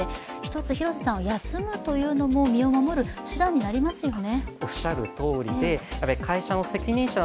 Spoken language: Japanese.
広瀬さん、休むというのも身を守る手段になりますよね。